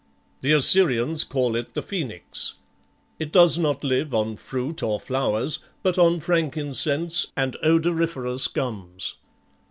The Assyrians call it the Phoenix. It does not live on fruit or flowers, but on frankincense and odoriferous gums.